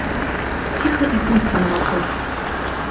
Ціха і пуста навакол.